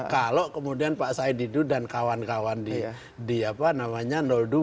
kalau kemudian pak said didu dan kawan kawan di apa namanya dua